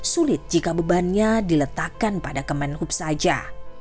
sulit jika bebannya diletakkan pada kemenhub saja